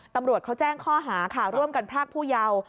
ตำรวจเขาแจ้งข้อหาค่ะร่วมกันพรากผู้เยาว์